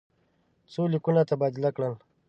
څو لیکونه تبادله کړل.